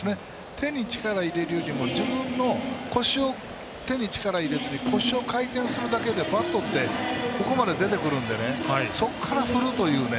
手に力を入れるよりも手に力入れずに腰を回転するだけでバットってここまで出てくるのでそこから、振るというね。